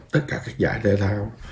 tất cả các giải thể thao